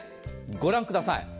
ご覧ください。